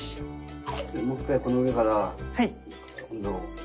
もう一回この上から今度。